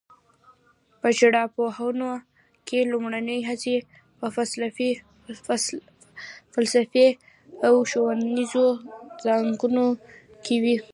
په ژبارواپوهنه کې لومړنۍ هڅې په فلسفي او ښوونیزو څانګو کې وې